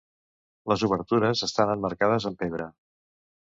Les obertures estan emmarcades en pedra.